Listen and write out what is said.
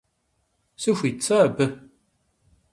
Сыхуит сэ абы?